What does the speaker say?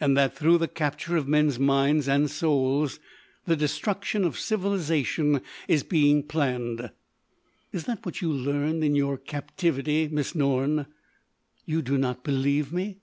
"And that, through the capture of men's minds and souls the destruction of civilisation is being planned?" "Is that what you learned in your captivity, Miss Norne?" "You do not believe me."